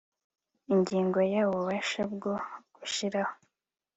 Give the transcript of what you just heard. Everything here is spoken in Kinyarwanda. Ingingo ya Ububasha bwo gushyiraho